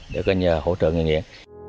để hỗ trợ người cai nghiện